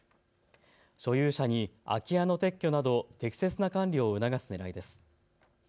所有者に空き家の撤去など適切な管理を促すねらいです。